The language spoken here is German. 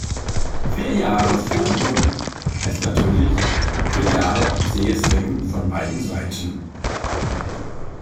Vier Jahre Verhandlung heißt natürlich, vier Jahre zähes Ringen von beiden Seiten.